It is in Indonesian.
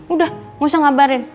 udah gak usah ngabarin